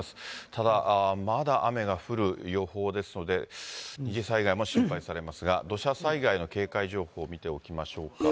ただ、まだ雨が降る予報ですので、二次災害も心配されますが、土砂災害の警戒情報を見ておきましょうか。